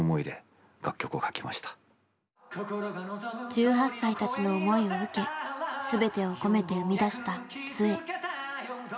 １８歳たちの思いを受け全てを込めて生み出した杖。